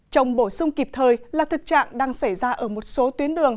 trồng bổ sung kịp thời là thực trạng đang xảy ra ở một số tuyến đường